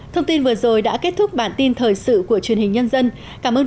thông tin vừa rồi đã kết thúc bản tin thời sự của truyền hình nhân dân cảm ơn